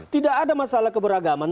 tidak ada masalah keberagaman